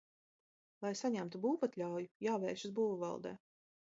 Lai saņemtu būvatļauju, jāvēršas būvvaldē.